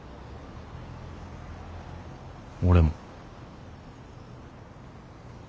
俺も。